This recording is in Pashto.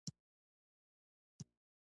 هغه بالښت د خپل ځان مخې ته نیولی و